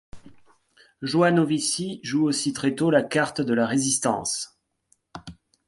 Joanovici joue aussi très tôt la carte de la Résistance.